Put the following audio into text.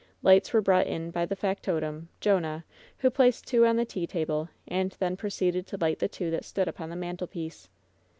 Lights were brought in by the factotum, Jonah, who placed two on the tea table, and then proceeded to li^t the two that stood upon the mantelpiece.